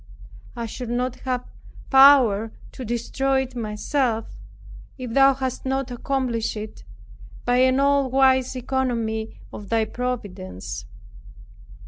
I should not have had power to destroy it myself, if thou hadst not accomplished it by an all wise economy of thy providence.